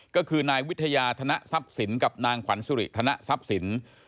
ก็คือนายวิทยาธนสรรค์ศิลป์กับนางขวัญสุริษภ์ธนสรรค์ศิลป์